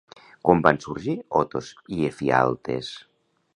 Com van sorgir Otos i Efialtes?